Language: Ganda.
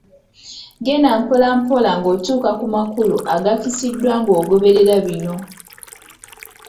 Genda mpolampola ng’otuuka ku makulu agakisiddwa ng’ogoberera bino: